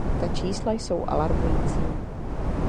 Ta čísla jsou alarmující.